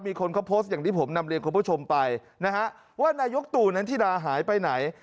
มีคนเขาโพสต์อย่างที่ผมนำเรียนคุณผู้ชมไปนะฮะว่านายกตู่นันธิดาหายไปไหน